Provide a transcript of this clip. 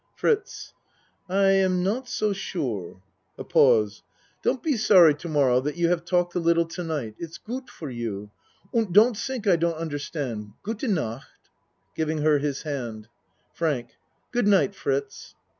FRITZ I am not so sure. (A pause.) Don't ACT I 37 be sorry to morrow that you haf talked a liddle to night. It's gute for you und don't tink I don't understand. Gute nacht. (Giving her his hand.) FRANK Good night Fritz.